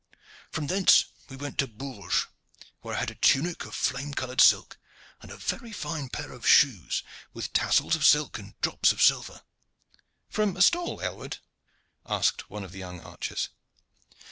From thence we went to Bourges, where I had a tunic of flame colored silk and a very fine pair of shoes with tassels of silk and drops of silver." "From a stall, Aylward?" asked one of the young archers.